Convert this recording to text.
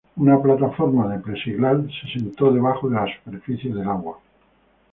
Una plataforma de plexiglás se sentó debajo de la superficie del agua.